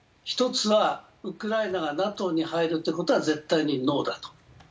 １つはウクライナがＮＡＴＯに入るということは、絶対にノーだと。